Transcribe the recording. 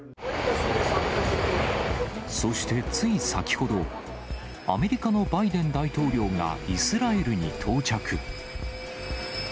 そしてつい先ほど、アメリカのバイデン大統領がイスラエルに到着。